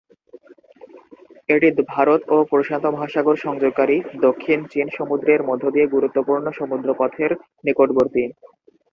এটি ভারত ও প্রশান্ত মহাসাগর সংযোগকারী দক্ষিণ চীন সমুদ্রের মধ্য দিয়ে গুরুত্বপূর্ণ সমুদ্র পথের নিকটবর্তী।